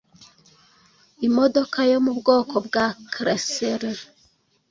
imodoka yo mu bwoko bwa Chrysler